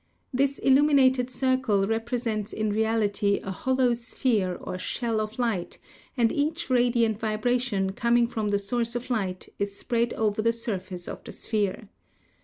This iluminated circle represents in reality a hollow sphere or shell of light, and each radiant vibration coming from the source of light is spread over the surface of the sphere.